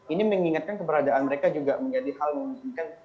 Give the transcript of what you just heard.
ini mengingatkan keberadaan mereka juga menjadi hal memungkinkan